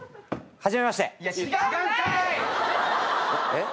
えっ？